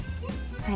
はい。